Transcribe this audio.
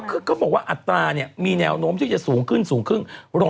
คือเขาบอกว่าอัตราเนี่ยมีแนวโน้มที่จะสูงขึ้นสูงขึ้น